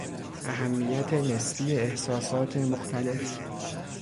اهمیت نسبی احساسات مختلف